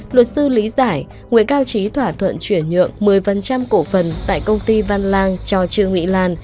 luật sư lý giải nguyễn cao trí thỏa thuận chuyển nhượng một mươi cổ phần tại công ty văn lang cho trương mỹ lan